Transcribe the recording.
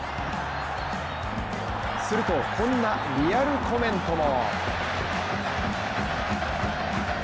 すると、こんなリアルコメントも。